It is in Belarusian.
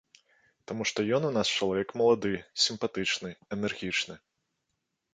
Таму што ён у нас чалавек малады, сімпатычны, энергічны.